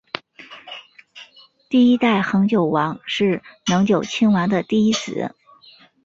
第一代恒久王是能久亲王的第一子。